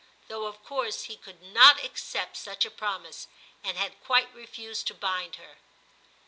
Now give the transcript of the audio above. though of course he could not accept such a promise, and had quite refused to bind her.